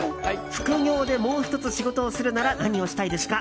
副業でもう１つ仕事をするなら何をしたいですか？